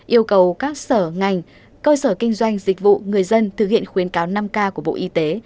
yêu cầu các sở ngành cơ sở kinh doanh dịch vụ người dân thực hiện khuyến cáo năm k của bộ y tế